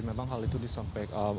memang hal itu disampaikan